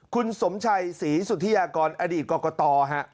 คุณสมชัยศรีสุธิยากรอดีตกรกตฮะ